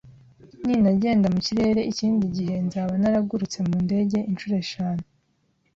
Ninagenda mu kirere ikindi gihe, nzaba naragurutse mu ndege inshuro eshanu